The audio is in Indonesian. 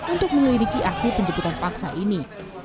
untuk menyelidiki aksi penjemputan paksa ini